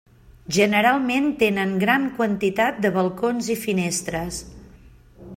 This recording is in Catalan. Generalment tenen gran quantitat de balcons i finestres.